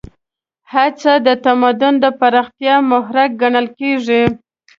هڅه د تمدن د پراختیا محرک ګڼل کېږي.